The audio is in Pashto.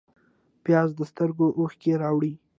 پیاز د سترګو اوښکې راوړي